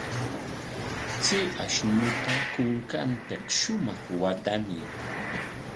Chay ashnuta kunkanpik shumaq waatamuy.